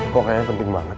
kok kayaknya penting banget